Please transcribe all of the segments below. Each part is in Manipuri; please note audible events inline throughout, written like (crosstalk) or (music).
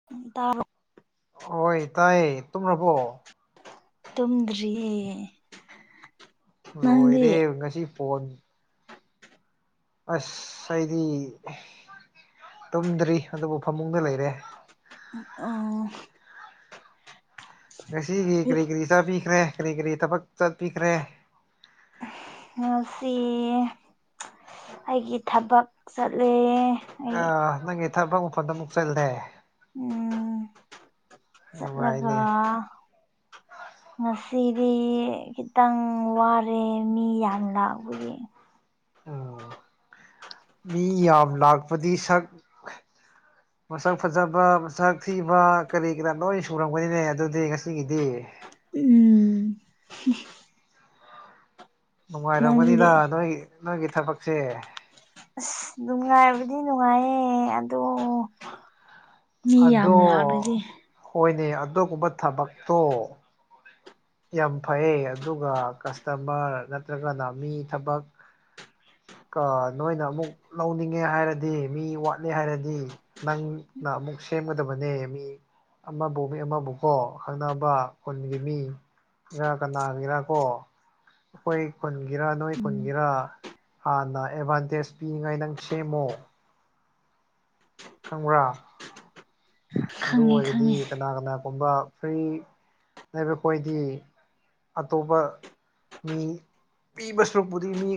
(unintelligible) ꯍꯣꯏ ꯇꯥꯏ ꯇꯨꯝꯔꯕꯣ ꯇꯨꯝꯗ꯭ꯔꯤꯌꯦ ꯅꯪꯗꯤ ꯂꯣꯏꯔꯦ ꯉꯁꯤ ꯐꯣꯟ ꯑꯁ ꯑꯩꯗꯤ ꯇꯨꯝꯗ꯭ꯔꯤ ꯑꯗꯨꯕꯨ ꯐꯃꯨꯡꯗ ꯂꯩꯔꯦ ꯑ ꯉꯁꯤꯒꯤ ꯀꯔꯤ ꯀꯔꯤ ꯆꯥꯕꯤꯈ꯭ꯔꯦ ꯀꯔꯤ ꯀꯔꯤ ꯊꯕꯛ ꯆꯠꯄꯤꯈ꯭ꯔꯦ ꯉꯁꯤ ꯑꯩꯒꯤ ꯊꯕꯛ ꯆꯠꯂꯦ ꯑꯩ ꯅꯪꯒꯤ ꯊꯥꯕꯛ ꯃꯐꯝꯟꯗ ꯑꯃꯨꯛ ꯆꯠꯂꯦ ꯎꯝ ꯆꯠꯂꯒ ꯅꯨꯡꯉꯥꯏꯅꯦ ꯉꯁꯤꯗꯤ ꯈꯤꯇꯪ ꯋꯥꯔꯦ ꯃꯤ ꯌꯥꯝ ꯂꯥꯛꯕꯒꯤ ꯎꯝ ꯃꯤ ꯌꯥꯝ ꯂꯥꯛꯄꯗꯤ ꯁꯛ (inaudible) ꯃꯁꯛ ꯐꯖꯕ ꯃꯁꯛ ꯊꯤꯕ ꯀꯔꯤ ꯀꯔꯥ ꯂꯣꯏ ꯁꯨꯔꯝꯒꯅꯤꯅꯦ ꯑꯗꯨꯗꯤ ꯉꯁꯤꯒꯤꯗꯤ ꯎꯝ ꯅꯪꯗꯤ ꯅꯨꯡꯉꯥꯏꯔꯝꯒꯅꯤꯗ ꯅꯣꯏ ꯅꯣꯏꯒꯤ ꯊꯕꯛꯁꯦ, ꯑꯁ ꯅꯨꯡꯉꯥꯏꯕꯗꯤ ꯅꯨꯡꯉꯥꯏꯌꯦ ꯑꯗꯣ, ꯃꯤ ꯌꯥꯝ ꯑꯗꯣ ꯂꯥꯛꯅꯗꯤ ꯍꯣꯏꯅꯦ ꯑꯗꯨꯒꯨꯝꯕ ꯊꯕꯛꯇꯣ ꯌꯥꯝ ꯐꯩꯌꯦ ꯑꯗꯨꯒ ꯀꯁꯇꯃꯔ ꯅꯠꯇ꯭ꯔꯒꯅ ꯃꯤ ꯊꯕꯛ ꯀ ꯅꯣꯏꯅ ꯑꯃꯨꯛ ꯂꯧꯅꯤꯡꯉꯦ ꯍꯥꯏꯔꯗꯤ ꯃꯤ ꯋꯥꯠꯂꯦ ꯍꯥꯏꯔꯗꯤ ꯅꯪꯅ ꯑꯃꯃꯨꯛ ꯁꯦꯝꯒꯗꯕꯅꯦ ꯃꯤ ꯑꯃꯕꯨ ꯃꯤ ꯑꯃꯕꯨꯀꯣ ꯈꯪꯅꯕ ꯈꯨꯟꯒꯤ ꯃꯤ ꯀꯅꯥ ꯀꯅꯥꯒꯤꯔ ꯀꯣ ꯑꯩꯈꯣꯏ ꯈꯨꯨꯟꯒꯤꯔꯥ ꯅꯣꯏ ꯎꯝ ꯈꯨꯨꯟꯒꯤꯔ ꯍꯥꯟꯅ ꯑꯦꯗꯚꯥꯟꯇꯦꯖ ꯄꯤꯅꯤꯉꯥꯏ ꯅꯪ ꯁꯦꯝꯃꯣ꯫ ꯈꯪꯕ꯭ꯔꯥ ꯑꯗꯨ ꯈꯪꯉꯦ ꯑꯣꯏꯔꯗꯤ ꯈꯪꯉꯦ ꯀꯅꯥ ꯀꯅꯥꯒꯨꯝꯕ ꯐ꯭ꯔꯤ ꯂꯩꯕꯈꯣꯏꯗꯤ ꯑꯇꯣꯞꯄ ꯃꯤ ꯄꯤꯕ ꯁꯔꯨꯛꯄꯨꯗꯤ ꯃꯤ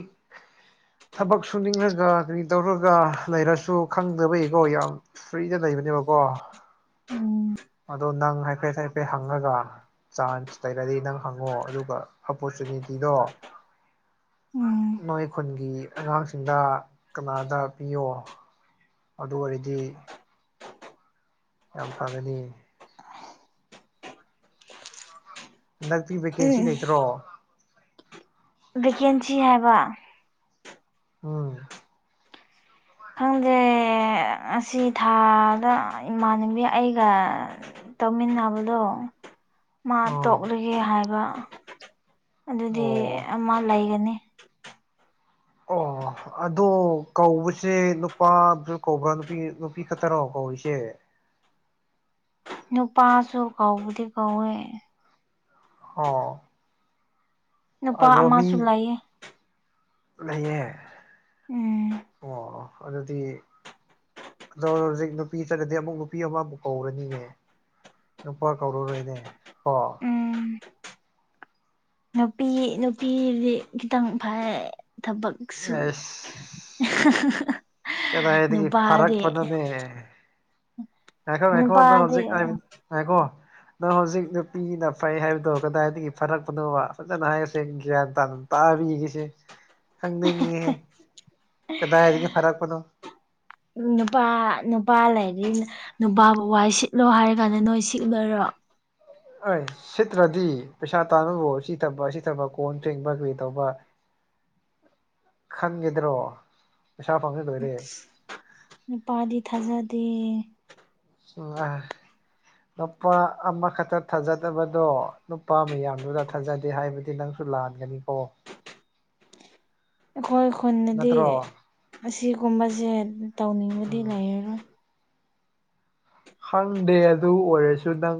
ꯊꯕꯛ ꯁꯨꯅꯤꯡꯔꯒ ꯀꯔꯤ ꯇꯧꯔꯒ ꯂꯩꯔꯁꯨ ꯈꯪꯗꯕꯩꯀꯣ ꯌꯥꯝ ꯐ꯭ꯔꯤꯗ ꯂꯩꯕꯅꯦꯕꯀꯣ ꯎꯝ ꯑꯗꯣ ꯅꯪ ꯍꯥꯏꯐꯦꯠ ꯍꯥꯏꯐꯦꯠ ꯍꯪꯉꯒ, ꯆꯥꯟꯁ ꯂꯩꯔꯗꯤ ꯅꯪ ꯍꯪꯉꯣ ꯑꯗꯨꯒ ꯑꯣꯞꯄꯣꯔꯆꯨꯅꯤꯇꯤꯗꯣ ꯎꯝ ꯅꯣꯏ ꯈꯨꯟꯒꯤ ꯑꯉꯥꯡꯁꯤꯡꯗ ꯀꯅꯥꯗ ꯄꯤꯌꯣ ꯑꯗꯨ ꯑꯣꯏꯔꯗꯤ ꯌꯥꯝ ꯐꯒꯅꯤ꯫ ꯍꯟꯗꯛꯇꯤ ꯚꯦꯀꯦꯟꯁꯤ ꯎꯝ ꯂꯩꯇ꯭ꯔꯣ? ꯚꯦꯀꯦꯟꯁꯤ ꯍꯥꯏꯕ, ꯎꯝ ꯈꯪꯗꯦ ꯑꯁꯤ ꯊꯥꯗ, ꯏꯃꯥꯟꯅꯕꯤ ꯑꯩꯒ ꯇꯧꯃꯤꯟꯅꯥꯕꯗꯣ꯫ ꯃꯥ ꯑꯥ ꯇꯣꯛꯂꯒꯦ ꯍꯥꯏꯕ, ꯑꯗꯨꯗꯤ ꯑꯣ ꯑꯃ ꯂꯩꯒꯅꯤ꯫ ꯑꯣ ꯑꯗꯣ ꯀꯧꯕꯁꯦ ꯅꯨꯄ ꯕꯨꯁꯨ ꯀꯧꯕ꯭ꯔꯥ ꯅꯨꯄꯤ ꯅꯨꯄꯤ ꯈꯠꯇꯔꯣ ꯀꯧꯔꯤꯁꯦ ꯅꯨꯄꯥꯁꯨ ꯀꯧꯕꯗꯤ ꯀꯧꯋꯦ ꯑꯣ ꯅꯨꯄꯥ ꯑꯗꯣ ꯃꯤ ꯑꯃꯁꯨ ꯂꯩꯌꯦ꯫ ꯂꯩꯌꯦ, ꯎꯝ ꯑꯣ ꯑꯗꯨꯗꯤ ꯑꯗꯣ ꯍꯧꯖꯤꯛ ꯅꯨꯄꯤ ꯆꯠꯂꯗꯤ ꯑꯃꯨꯛ ꯅꯨꯄꯤ ꯑꯃ ꯑꯃꯨꯛ ꯀꯧꯔꯅꯤꯅꯦ꯫ ꯅꯨꯄꯥ ꯀꯧꯔꯨꯔꯣꯏꯅꯦ ꯀꯣ ꯎꯝ ꯅꯨꯄꯤ ꯅꯨꯄꯤꯗꯤ ꯈꯤꯇꯪ ꯐꯩꯌꯦ ꯊꯕꯛ ꯁꯨ꯫ ꯑꯩꯁ (unintelligible) ꯀꯗꯥꯏꯗꯒꯤ ꯐꯔꯛꯄꯅꯣꯅꯦ꯫ ꯉꯥꯏꯈꯣ ꯉꯥꯏꯈꯣ ꯅꯨꯄꯥꯗꯤ ꯍꯧꯖꯤꯛ ꯉꯥꯏꯈꯣ ꯅꯪ ꯍꯧꯖꯤꯛ ꯅꯨꯄꯤꯅ ꯐꯩ ꯍꯥꯏꯕꯗꯣ ꯀꯗꯥꯏꯗꯒꯤ ꯐꯔꯛꯄꯅꯣꯕ ꯐꯖꯅ ꯍꯥꯏꯌꯣ ꯁꯦꯡ ꯒ꯭ꯌꯥꯟ ꯇꯥꯅ ꯇꯥꯕꯤꯒꯦꯁꯦ (inaudible) ꯈꯪꯅꯤꯡꯉꯦꯍꯦ ꯀꯗꯥꯏꯗꯒꯤ ꯐꯔꯛꯄꯅꯣ ꯎ ꯅꯨꯄꯥ ꯅꯨꯄꯥ ꯂꯩꯔꯤ ꯅꯨꯄꯥꯕꯨꯕ ꯋꯥ ꯁꯤꯠꯂꯣ ꯍꯥꯏꯔ ꯀꯥꯟꯗ ꯅꯣꯏ ꯁꯤꯠꯒꯗꯣꯏꯔꯣ꯫ ꯁꯤꯠꯇ꯭ꯔꯗꯤ ꯄꯩꯁꯥ ꯇꯥꯥꯟꯕꯕꯨ ꯁꯤ ꯊꯕꯛ ꯁꯤ ꯊꯕꯛ ꯀꯣꯟ ꯐꯦꯡꯕ ꯀꯔꯤ ꯇꯧꯕ, (inaudible) ꯈꯟꯒꯗ꯭ꯔꯣ ꯄꯩꯁꯥ ꯐꯪꯉ ꯂꯣꯏꯔꯦ꯫ ꯅꯨꯄꯥꯗꯤ ꯊꯥꯖꯗꯦ (unintelligible) ꯅꯨꯄꯥ ꯑꯃꯈꯛꯇ ꯊꯥꯖꯗꯕꯗꯣ ꯅꯨꯄꯥ ꯃꯌꯥꯝꯗꯨꯗ ꯊꯥꯖꯗꯦ ꯍꯥꯏꯕꯗꯤ ꯅꯪ ꯂꯥꯟꯒꯅꯤꯀꯣ (inaudible) ꯑꯩꯈꯣꯏ ꯈꯨꯟꯗꯗꯤ ꯅꯠꯇ꯭ꯔꯣ ꯑꯁꯤꯒꯨꯝꯕꯁꯦ ꯇꯧꯅꯤꯡꯉꯗꯤ ꯎꯝ ꯂꯩꯔꯔꯣꯏ ꯈꯪꯗꯦ ꯑꯗꯨ ꯑꯣꯏꯔꯁꯨ ꯅꯪ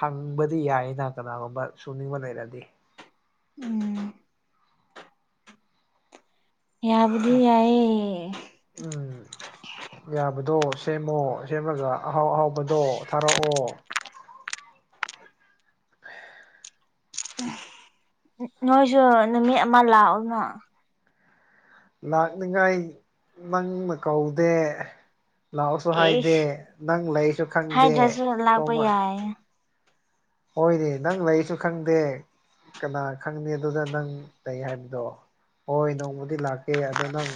ꯍꯪꯕꯗꯤ ꯌꯥꯏꯌꯦꯅ ꯀꯅꯥꯒꯨꯝꯕ ꯁꯨꯅꯤꯡꯕ ꯂꯩꯔꯗꯤ ꯎꯝ ꯌꯥꯕꯨꯗꯤ ꯌꯥꯏꯌꯦ ꯎꯝ ꯌꯥꯕꯗꯣ ꯁꯦꯝꯃꯣ ꯁꯦꯝꯃꯒ ꯑꯍꯥꯎ ꯑꯍꯥꯎꯕꯗꯣ ꯊꯥꯔꯛꯑꯣ (unintelligible) ꯅꯣꯏꯁꯨ ꯅꯨꯃꯤꯠ ꯑꯃ ꯂꯥꯛꯑꯣꯅ ꯂꯥꯛꯅꯤꯡꯉꯥꯏ ꯅꯪꯅ ꯀꯧꯗꯦ ꯂꯥꯛꯑꯣꯁꯨ ꯍꯥꯏꯗꯦ ꯑꯦꯁ ꯅꯪ ꯂꯩꯁꯨ ꯈꯪꯗꯦ ꯍꯥꯏꯗ꯭ꯔꯁꯨ ꯂꯥꯛꯄ (unintelligible) ꯌꯥꯏ ꯍꯣꯏꯅꯦ ꯅꯪ ꯂꯩꯁꯨ ꯈꯪꯗꯦ ꯀꯅꯥ ꯈꯪꯅꯤ ꯑꯗꯨꯗ ꯅꯪ ꯂꯩ ꯍꯥꯏꯕꯗꯣ ꯍꯣꯏ ꯅꯣꯡꯃꯗꯤ ꯂꯥꯛꯀꯦ ꯑꯗꯣ ꯅꯪ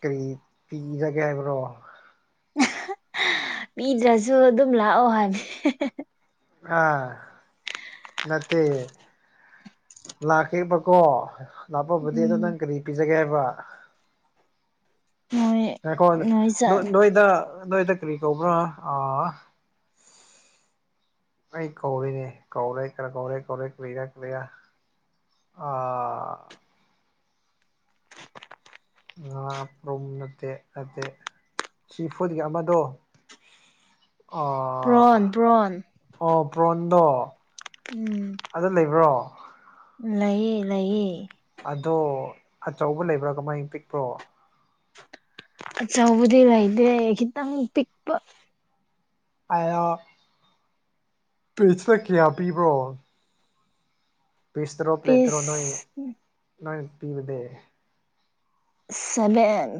ꯀꯔꯤ ꯄꯤꯔꯒꯦ ꯍꯥꯏꯕ꯭ꯔꯣ ꯄꯤꯗ꯭ꯔꯁꯨ ꯑꯗꯨꯝ ꯂꯥꯛꯑꯣ ꯍꯥꯏꯕꯤ (unintelligible) ꯑꯥ ꯅꯠꯇꯦ ꯂꯥꯛꯀꯦꯕꯀꯣ ꯂꯥꯞꯄꯕꯨꯗꯤ ꯑꯗꯣ ꯎꯝ ꯅꯪ ꯀꯔꯤ ꯄꯤꯖꯒꯦ ꯍꯥꯏꯕ꯭ꯔꯥ ꯅꯣꯏ ꯉꯥꯏꯈꯣ ꯅꯣꯏ ꯆꯪ ꯅꯣꯏꯗ ꯅꯣꯏꯗ ꯀꯔꯤ ꯀꯧꯕ꯭ꯔꯥ ꯑ ꯑꯩ ꯀꯧꯔꯤꯅꯦ ꯀꯧꯔꯦ ꯀꯧꯔꯦ ꯀꯧꯔꯦ ꯀꯨꯏꯔ ꯀꯨꯏꯔ ꯑ ꯉꯥꯄ꯭ꯔꯨꯝ ꯅꯠꯇꯦ ꯅꯠꯇꯦ ꯁꯤꯐꯨꯠꯒꯤ ꯑꯃꯗꯣ ꯑ ꯄ꯭ꯔꯣꯟ ꯄ꯭ꯔꯣꯟ ꯑꯣ ꯄ꯭ꯔꯣꯟꯗꯣ ꯎꯝ ꯑꯗꯣ ꯂꯩꯕ꯭ꯔꯣ ꯂꯩꯌꯦ ꯂꯩꯌꯦ ꯑꯗꯣ ꯑꯆꯧꯕ ꯂꯩꯕ꯭ꯔꯥ ꯀꯃꯥꯏꯅ ꯄꯤꯛꯄ꯭ꯔꯣ ꯥꯑꯆꯧꯕꯗꯤ ꯂꯩꯇꯦ ꯈꯤꯇꯪ ꯄꯤꯛꯄ ꯑꯌꯥ ꯄꯦꯁꯥ ꯀꯌꯥ ꯄꯤꯕ꯭ꯔꯣ ꯄꯤꯁꯇꯔꯣ ꯄ꯭ꯂꯦꯠꯇꯔꯣ ꯅꯣꯏ ꯄꯤꯁ ꯅꯣꯏ ꯄꯤꯕꯗꯤ ꯁꯚꯦꯟ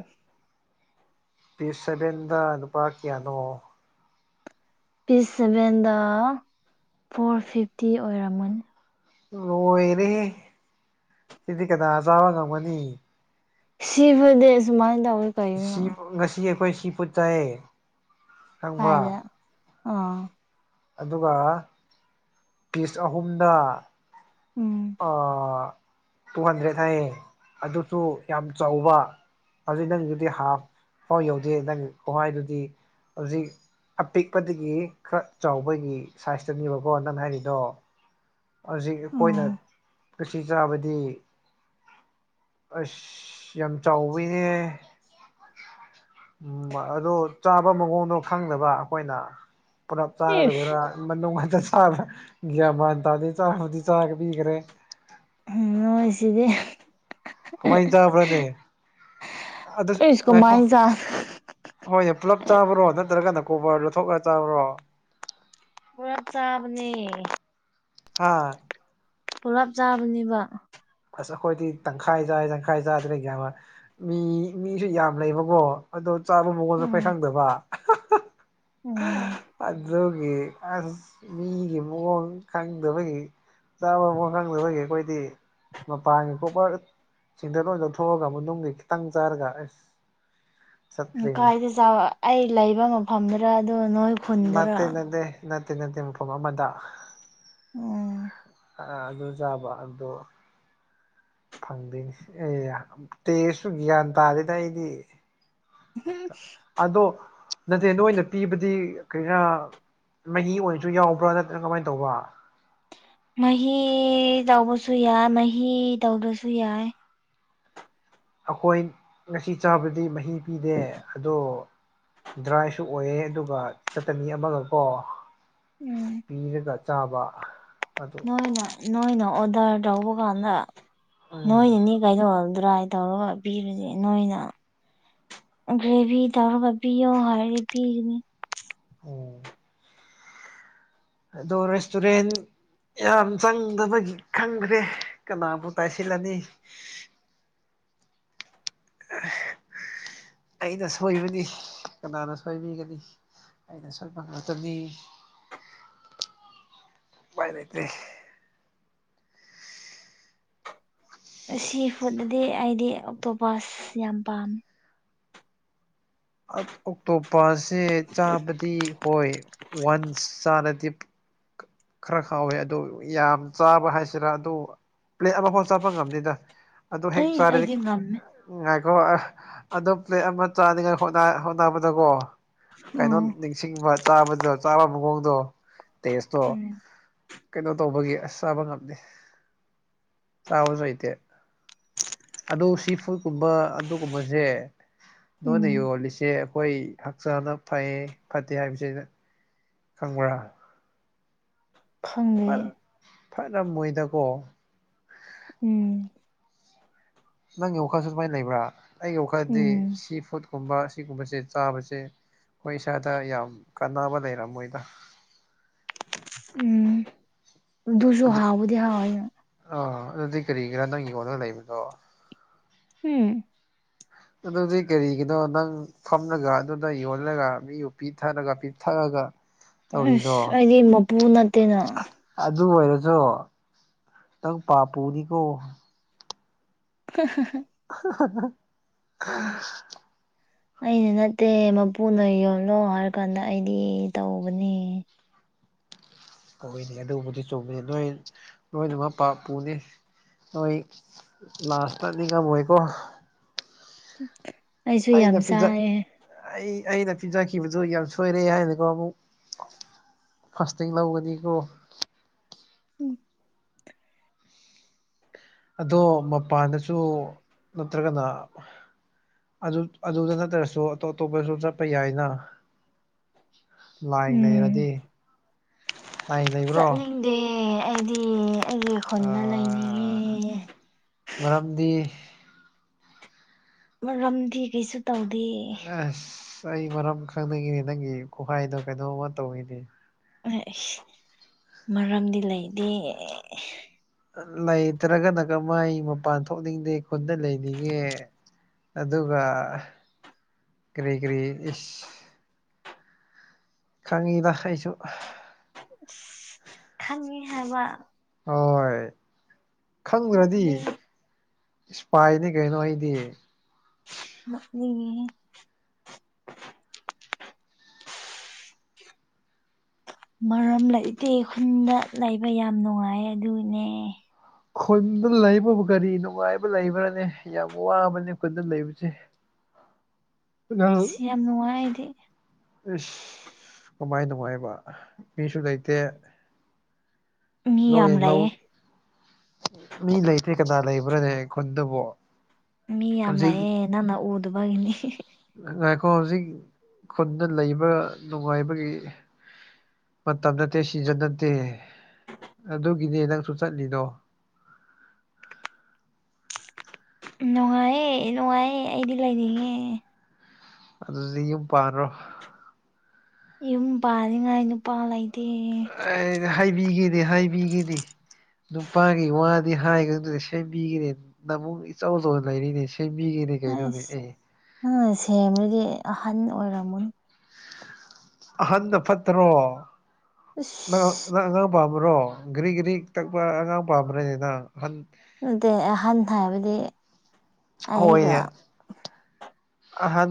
ꯄꯤꯁ ꯁꯚꯦꯟꯗ ꯂꯨꯄꯥ ꯀꯌꯥꯅꯣ ꯄꯤꯁ ꯁꯚꯦꯟꯗ ꯐꯣꯔ ꯐꯤꯐꯇꯤ ꯑꯣꯏꯔꯝꯃꯅꯤ ꯂꯣꯏꯔꯦꯍꯦ ꯁꯤꯗꯤ ꯀꯅꯥ ꯆꯥꯕ ꯉꯝꯒꯅꯤ ꯁꯤ ꯐꯨꯠꯗꯤ ꯑꯁꯨꯃꯥꯏꯟ ꯇꯧꯋꯦ ꯁꯤ ꯉꯁꯤ ꯑꯩꯈꯣꯏ ꯁꯤ ꯄꯨꯠ ꯆꯥꯏꯌꯦ ꯈꯪꯕ꯭ꯔꯥ ꯀꯥꯏꯗ ꯑꯣ ꯑꯗꯨꯒ ꯄꯤꯁ ꯑꯍꯨꯝꯗ ꯎꯝ ꯑꯥ ꯇꯨ ꯍꯟꯗ꯭ꯔꯦꯗ ꯍꯥꯏꯌꯦ ꯑꯗꯨꯁꯨ ꯌꯥꯝ ꯆꯥꯎꯕ ꯍꯧꯖꯤꯛ ꯅꯪꯒꯤꯗꯨꯗꯤ ꯍꯥꯥꯐ ꯐꯥꯎ ꯌꯧꯗꯦ ꯅꯪ ꯈꯨꯍꯏꯗꯨꯗꯤ ꯍꯧꯖꯤꯛ ꯑꯄꯤꯛꯄꯗꯒꯤ ꯈꯔ ꯆꯥꯎꯕꯒꯤ ꯁꯥꯏꯖꯇꯅꯦꯕꯀꯣ ꯅꯪ ꯍꯥꯏꯔꯤꯗꯣ ꯍꯧꯖꯤꯛ ꯑꯩꯈꯣꯏꯅ ꯎꯝ ꯀꯁꯤ ꯆꯥꯕꯗꯤ ꯑꯁ ꯌꯥꯝ ꯆꯧꯋꯦꯍꯦ ꯎꯝ ꯑꯗꯨ ꯆꯥꯕ ꯃꯑꯣꯡꯗꯣ ꯈꯪꯗꯕ ꯑꯩꯈꯣꯏꯅ ꯄꯨꯂꯞ ꯆꯥꯒꯗꯕꯩꯔꯥ ꯏꯁ ꯃꯅꯨꯡ ꯈꯇ ꯆꯥꯕꯥ ꯒ꯭ꯌꯥꯟ ꯃꯥꯟ ꯇꯥꯗꯦ ꯆꯥꯔꯕꯨꯗꯤ ꯆꯥꯒꯕꯤꯈ꯭ꯔꯦ ꯅꯣꯏꯁꯤꯗꯤ ꯀꯃꯥꯏ ꯆꯕꯔꯅꯦ ꯏꯁ ꯑꯗꯈꯣ ꯀꯃꯥꯏ ꯆꯥ ꯍꯣꯏꯅꯦ ꯄꯨꯂꯞ ꯆꯥꯕ꯭ꯔꯣ ꯅꯠꯇ꯭ꯔꯒꯅ ꯀꯣꯕꯔ ꯂꯧꯊꯣꯛꯂꯒ ꯆꯥꯕ꯭ꯔꯣ ꯄꯨꯔꯥ ꯆꯥꯕꯅꯦ ꯑ ꯄꯨꯂꯞ ꯆꯥꯕꯅꯦꯕ ꯑꯁ ꯑꯩꯈꯣꯏꯗꯤ ꯇꯪꯈꯥꯏ ꯆꯥꯏ ꯇꯪꯈꯥꯏ ꯆꯥꯏꯗꯅ ꯃꯤ ꯃꯤꯁꯨ ꯌꯥꯝ ꯂꯩꯕꯀꯣ ꯑꯗꯣ ꯆꯥꯕ ꯃꯑꯣꯟ ꯀꯩ ꯈꯪꯗꯕ ꯑꯣꯝ ꯑꯗꯨꯒꯤ ꯑꯁ ꯃꯤꯒꯤ ꯃꯑ‌ꯣꯡ ꯀꯪꯗꯕꯒꯤ ꯆꯥꯕ ꯃꯉꯥꯡꯗ ꯑꯩꯈꯣꯏꯒꯤ ꯑꯩꯈꯣꯏꯗꯤ ꯃꯄꯥꯟꯒꯤ ꯀꯣꯛꯄ ꯆꯤꯡꯗꯦꯜ ꯑꯣꯏꯅꯗ ꯊꯣꯛꯑꯒ ꯃꯅꯨꯡꯒꯤ ꯈꯤꯇꯪ ꯆꯥꯔꯒ ꯑꯦꯁ ꯅꯨꯡꯀꯥꯏꯗ ꯆꯥꯎꯑ ꯑꯩ ꯂꯩꯕ ꯃꯐꯝꯗꯨꯔ ꯑꯗꯣ ꯅꯣꯏ ꯈꯨꯟꯗꯨꯔꯥ ꯅꯠꯇꯦ ꯅꯠꯇꯦ ꯅꯠꯇꯦ ꯅꯠꯇꯦ ꯃꯐꯝ ꯑꯃꯗ ꯎꯝ ꯑꯗꯨ ꯆꯥꯕ ꯑꯗꯣ ꯐꯪꯗꯣꯏꯅꯤ ꯑꯦ ꯇꯦꯁꯨ ꯒ꯭ꯌꯥꯟ ꯇꯥꯗꯦꯅ ꯑꯩꯗꯤ ꯎꯝ ꯑꯗꯣ ꯅꯠꯇꯦ ꯅꯣꯏꯅ ꯄꯤꯕꯗꯤ ꯀꯥꯔꯤꯔ ꯃꯍꯤ ꯑꯣꯏꯔꯁꯨ ꯌꯥꯎꯕ꯭ꯔꯥ ꯅꯠꯇ꯭ꯔꯒ ꯀꯃꯥꯏꯅ ꯇꯧꯕ ꯃꯍꯤ ꯇꯧꯕꯁꯨ ꯌꯥꯏ ꯃꯍꯤ ꯇꯧꯗ꯭ꯔꯁꯨ ꯌꯥꯏ ꯑꯩꯈꯣꯏ ꯉꯁꯤ ꯆꯥꯕꯗꯤ ꯃꯍꯤ ꯄꯤꯗꯦ ꯑꯗꯣ ꯗ꯭ꯔꯥꯏꯁꯨ ꯑꯣꯏꯌꯦ ꯑꯗꯨꯒ ꯆꯠꯇꯅꯤ ꯑꯃꯒꯀꯣ ꯎꯝ ꯄꯤꯔꯒ ꯆꯥꯕ ꯑ‌ꯩꯅ ꯅꯣꯏꯅ ꯑꯣꯗꯔ ꯇꯧꯕ ꯀꯥꯟꯗ ꯎꯝ ꯅꯣꯏꯅꯤ ꯀꯥꯏꯗꯧꯍꯗ꯭ꯔꯥꯏ ꯇꯧꯔꯒ ꯄꯤꯔꯨꯁ ꯅꯣꯏꯅ ꯒ꯭ꯔꯦꯚꯤ ꯇꯧꯔꯒ ꯄꯤꯑꯣ ꯍꯥꯏꯔꯗꯤ ꯄꯤꯕꯅꯤ ꯑꯣ ꯑꯗꯣ ꯔꯦꯁꯇꯨꯔꯦꯟ ꯌꯥꯝ ꯆꯪꯗꯕꯒꯤ ꯈꯪꯗ꯭ꯔꯦ ꯀꯅꯥꯕꯨ ꯇꯥꯏꯁꯤꯜꯂꯅꯤ (inaudible) ꯑꯩꯅ ꯁꯣꯏꯕꯅꯤ ꯀꯅꯥꯅ ꯁꯣꯏꯕꯤꯒꯅꯤ ꯑꯩꯅ ꯁꯣꯢꯄ ꯉꯇꯅꯤ (inaudible) ꯄꯥꯏ ꯂꯩꯇꯦ ꯁꯤ ꯐꯨꯠꯇꯗꯤ ꯑꯩꯗꯤ ꯑꯣꯛꯇꯣꯄꯁ ꯌꯥꯝ ꯄꯥꯝꯃꯦ ꯑꯣꯛꯇꯣꯄꯁꯦ ꯆꯥꯕꯗꯤ ꯑ‌ꯣꯏ ꯋꯥꯟꯁ ꯆꯥꯅꯗꯤ ꯈꯔ ꯈꯥꯎꯋꯦ ꯑꯗꯨ ꯌꯥꯝ ꯆꯥꯕ ꯍꯥꯏꯁꯤꯔꯥ ꯑꯗꯨ ꯄ꯭ꯂꯦꯠ ꯑꯃꯐꯥꯎ ꯆꯥꯄ ꯉꯝꯗꯦꯗ ꯑꯗꯨ ꯍꯦꯛ ꯑꯩ ꯆꯥꯔꯗꯤꯛ ꯑꯩꯗꯤ ꯉꯝꯃꯦ ꯉꯥꯏꯈꯣ ꯑꯣ ꯄ꯭ꯂꯦꯠ ꯑꯃ ꯆꯥꯅꯤꯉꯥꯏ ꯍꯣꯠꯅꯕꯗꯀꯣ ꯀꯩꯅꯣ ꯎꯝ ꯅꯤꯡꯁꯤꯡꯕ ꯆꯥꯕꯗꯣ ꯆꯥꯕ ꯃꯑꯣꯡꯗꯣ ꯇꯦꯁꯇꯣ ꯀꯩꯅꯣ ꯇꯧꯕꯒꯤ ꯑꯁ ꯆꯥꯕ ꯉꯝꯗꯦ ꯆꯥꯕꯁꯨ ꯂꯩꯇꯦ ꯑꯗꯨ ꯁꯤ ꯐꯨꯗꯀꯨꯝꯕ ꯑꯗꯨꯒꯨꯝꯕꯁꯦ ꯅꯣꯏꯅ ꯎꯝ ꯌꯣꯜꯂꯤꯁꯦ ꯑꯩꯈꯣꯏ ꯍꯛꯆꯥꯡꯅ ꯐꯩ ꯐꯠꯇꯦ ꯍꯥꯏꯕꯁꯤꯅ ꯈꯪꯕ꯭ꯔꯥ ꯈꯪꯗꯦ ꯐꯔ ꯐꯔꯝꯃꯣꯏꯗꯀꯣ ꯎꯝ ꯅꯪꯒꯤ ꯋꯥꯈꯜꯁꯨ ꯑꯗꯨꯃꯥꯏꯅ ꯂꯩꯕ꯭ꯔꯥ ꯑꯩꯒꯤ ꯋꯥꯈꯜꯗꯤ ꯎꯝ ꯁꯤ ꯐꯨꯠꯀꯨꯝꯕ ꯁꯤꯒꯨꯝꯕꯁꯦ ꯆꯥꯕꯁꯦ ꯑꯩꯈꯣꯏ ꯏꯁꯥꯗ ꯌꯥꯝ ꯀꯥꯟꯅꯕ ꯂꯩꯔꯝ ꯃꯣꯏꯗ ꯎꯝ ꯁꯨ ꯑꯗꯨ ꯍꯥꯕꯕꯨꯗꯍꯥꯎꯅ ꯑꯥ ꯑꯗꯨꯗꯤ ꯀꯔꯤꯒꯤꯔꯥ ꯅꯪꯒꯤꯑ‌ꯣꯗꯔ ꯂꯩꯕꯗꯣ ꯎꯝ ꯑꯗꯨꯗꯤ ꯀꯔꯤꯒꯤꯅꯣ ꯅꯪ ꯐꯝꯂꯒ ꯑꯗꯨꯗ ꯌꯣꯜꯂꯒ ꯃꯤ ꯎ ꯄꯤꯊꯔꯒ ꯄꯤꯛꯊꯛꯔꯒ ꯑꯁ ꯑꯩꯗꯤ ꯃꯄꯨ ꯅꯠꯇꯦꯅ ꯑꯗꯨ ꯑꯣꯏꯔꯁꯨ ꯅꯪ ꯄꯥ ꯄꯨꯔꯤꯀꯣ (unintelligible) (inaudible) (inaudible) ꯑꯩꯅ ꯅꯠꯇꯦ ꯃꯄꯨꯅ ꯌꯣꯅꯣ ꯍꯥꯏꯔ ꯀꯥꯟꯗ ꯑꯩꯗꯤ ꯇꯧꯕꯅꯦ ꯀꯧꯏꯅꯤ ꯑꯗꯨꯕꯨꯗꯤ ꯆꯨꯝꯃꯤꯅꯤ ꯅꯣꯏ ꯂꯣꯏꯅꯃꯛ ꯄꯨꯅꯤ ꯅꯣꯏ ꯂꯥꯁꯇꯇꯥꯗꯤ ꯀ ꯑꯣꯏꯀꯣ (inaudible) ꯑꯩꯅ ꯄꯤꯖ ꯆꯥꯏꯌꯦ ꯑꯩ ꯑꯩꯅ ꯄꯤꯖꯈꯤꯕꯗꯨ ꯌꯥꯝ ꯁꯣꯏꯔꯦ ꯍꯥꯏꯅ ꯑꯃꯨꯛ ꯐꯥꯁꯇꯤꯡ ꯂꯧꯒꯅꯤꯀꯣ ꯎꯝ ꯑꯗꯣ ꯃꯄꯥꯟꯗꯁꯨ ꯅꯠꯇ꯭ꯔꯒꯅ ꯑꯗꯨꯗ ꯅꯠꯇ꯭ꯔꯁꯨ ꯑꯇꯣꯞ ꯑꯇꯣꯞꯄꯁꯨ ꯆꯠꯄ ꯌꯥꯏꯅ ꯂꯥꯏ ꯎꯝ ꯂꯩꯔꯗꯤ ꯂꯥꯏ ꯂꯩꯕ꯭ꯔꯣ ꯗꯦ ꯑꯩꯗꯤ ꯑꯩꯒꯤ ꯈꯨꯅ ꯑꯥ ꯂꯩꯅꯤꯡꯉꯦ ꯃꯔꯝꯗꯤ ꯃꯔꯝꯗꯤ ꯀꯩꯁꯨ ꯇꯧꯗꯦ ꯑꯁ ꯑꯩ ꯃꯔꯝ ꯈꯪꯅꯤꯡꯉ‌ꯦ ꯅꯪꯒꯤ ꯈꯨꯍꯥꯏꯗꯣ ꯀꯩꯅꯣꯝꯃ ꯇꯧꯏꯅꯦ ꯃꯔꯝꯗꯤ ꯂꯩꯇꯦ ꯂꯩꯇ꯭ꯔꯒꯅ ꯀꯃꯥꯏ ꯃꯄꯥꯟ ꯊꯣꯛꯅꯤꯡꯗꯦ ꯈꯨꯟꯗ ꯂꯩꯅꯤꯡꯉꯦ ꯑꯗꯨꯒ ꯀꯔꯤ ꯀꯔꯤ ꯏꯁ ꯈꯪꯉꯤ ꯃꯈꯁꯨ ꯈꯪꯉꯤ ꯍꯥꯏꯕ ꯍꯣꯏ ꯈꯪꯈ꯭ꯔꯗꯤ ꯅꯣꯛꯅꯤꯡ ꯏꯁꯄꯥꯏꯗꯤ ꯀꯩꯅꯣ ꯑꯩꯗꯤ ꯅꯣꯛꯅꯤꯡꯉꯦꯍꯦ ꯃꯔꯝ ꯂꯩꯇꯦ ꯈꯨꯟꯗ ꯂꯩꯕ ꯌꯥꯝ ꯅꯨꯡꯉꯥꯏ ꯑꯗꯨꯅꯦ ꯈꯨꯟꯗ ꯂꯩꯕꯕꯨ ꯀꯔꯤ ꯅꯨꯡꯉꯥꯏꯕ ꯂꯩꯕ꯭ꯔꯥꯅꯦ ꯌꯥꯝ ꯋꯥꯕꯅꯦ ꯈꯨꯟꯗ ꯂꯩꯕꯁꯦ (unintelligible) ꯁꯤ ꯌꯥꯝ ꯅꯨꯡꯉꯥꯏ ꯑꯩꯗꯤ ꯑ ꯏꯁꯁ ꯀꯃꯥꯏ ꯅꯨꯡꯉꯥꯏꯕ ꯃꯤꯁꯨ ꯂꯩꯇꯦ ꯃꯤ ꯅꯣꯏ ꯌꯥꯝ ꯂꯧ ꯂꯩꯌꯦ ꯃꯤ ꯂꯩꯇ‌ꯦ ꯀꯅꯥ ꯂꯩꯕ꯭ꯔꯥꯅꯦ ꯈꯨꯟꯗꯕꯣ ꯃꯤ ꯌꯥꯝ ꯍꯧꯖꯤꯛ ꯂꯥꯛꯑꯦ ꯅꯪꯅ ꯎꯗꯕꯒꯤꯅꯤ ꯉꯥꯏꯈꯣ ꯍꯧꯖꯤꯛ ꯈꯨꯟꯗ ꯂꯩꯕ ꯅꯨꯡꯉꯥꯏꯕꯒꯤ ꯃꯇꯝ ꯅꯠꯇꯦ ꯁꯤꯖꯟ ꯅꯠꯇꯦ ꯑꯗꯨꯒꯤꯅꯦ ꯅꯪꯁꯨ ꯆꯠꯂꯤꯗꯣ ꯅꯨꯡꯉꯥꯏꯌꯦ ꯅꯨꯡꯉꯥꯏꯌꯦ ꯑꯩꯗꯤ ꯂꯩꯅꯤꯡꯉꯦ ꯑꯗꯨꯗꯤ ꯌꯨꯝ ꯄꯥꯟꯂ‌ꯣ ꯌꯨꯝ ꯄꯥꯅꯤꯡꯉꯥꯏ ꯅꯨꯄꯥ ꯂꯩꯇꯦ ꯑꯩ ꯍꯥꯏꯕꯤꯒꯦꯅꯦ ꯍꯥꯏꯕꯤꯒꯦꯅꯦ ꯅꯨꯄꯥꯒꯤ ꯋꯥꯗꯤ ꯍꯥꯏꯒꯅꯨ ꯁꯦꯝꯕꯤꯒꯦꯅꯦ ꯅꯃꯨ ꯏꯆꯧꯆꯧ ꯂꯩꯔꯤꯅꯦ ꯁꯕꯤꯒꯤꯅꯦ ꯀꯩꯗꯧꯅꯦ ꯑꯦ ꯅꯪ ꯁꯦꯝꯔꯗꯤ ꯑꯍꯟ ꯑꯣꯏꯔꯝꯃꯨꯅꯤ ꯑꯍꯟꯅ ꯄꯠꯇꯔ‌ꯣ ꯅ ꯑꯁ ꯅꯪ ꯑꯉꯥꯡ ꯄꯥꯝꯕ꯭ꯔꯣ ꯘꯔꯤ ꯘꯔꯤ ꯇꯛꯄ ꯑꯉꯥꯡ ꯄꯥꯝꯕ꯭ꯔꯅ‌ꯦ ꯅꯪ ꯍꯠ ꯅꯠꯇꯦ ꯑꯍꯟ ꯍꯥꯏꯕꯗꯤ ꯑꯩꯒ ꯍꯣꯏꯌꯦ ꯑꯍꯟ